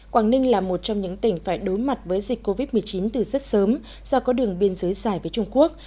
quảng ninh là một trong những tỉnh phải đối mặt với dịch covid một mươi chín từ rất sớm do có đường biên giới dài với trung quốc